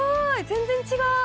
全然違う！